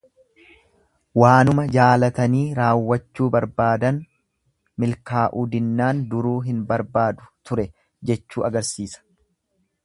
Waanuma jaalatanii raawwachuu barbaadan milkaa'uu dinnaan duruu hin barbaadu ture jechuu agarsiisa.